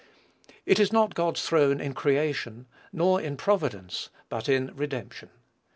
It is not God's throne in creation; nor in providence: but in redemption.